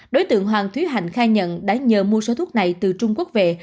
đối tượng hoàng thúy hạnh khai nhận đã nhờ mua số thuốc này từ trung quốc về